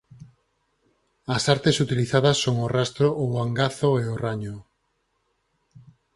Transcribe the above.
As artes utilizadas son o rastro ou angazo e o raño.